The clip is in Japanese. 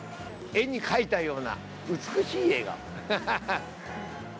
絵に描いたような美しい笑顔。